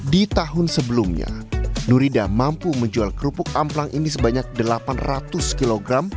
di tahun sebelumnya nurida mampu menjual kerupuk amplang ini sebanyak delapan ratus kg